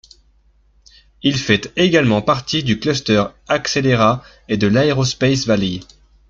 Il fait également partie du cluster Axelera et de l'Aerospace Valley.